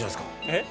「えっ？」